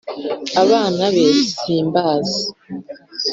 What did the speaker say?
abana be simbazi